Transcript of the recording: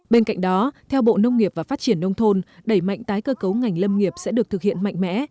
bên cạnh đó theo bộ nông nghiệp và phát triển nông thôn đẩy mạnh tái cơ cấu ngành lâm nghiệp sẽ được thực hiện mạnh mẽ